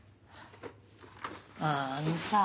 ああのさぁ。